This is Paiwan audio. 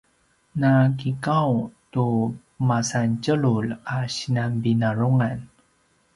na kiqaung tu masan tjelulj a sinan vinarungan